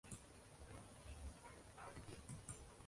Anglashimcha, ular mashhur firmaning vakillari edi